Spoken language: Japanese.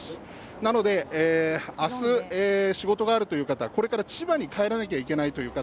なので明日仕事があるという方はこれから千葉に帰らなきゃいけないという方